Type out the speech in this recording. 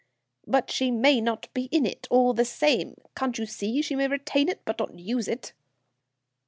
"But she may not be in it, all the same. Can't you see? She may retain it, but not use it."